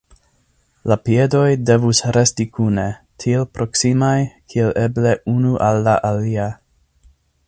La piedoj devus resti kune, tiel proksimaj kiel eble unu al la alia.